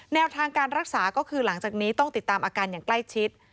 แนวทางการรักษาก็คือหลังจากนี้ต้องติดตามอาการอย่างใกล้ชิด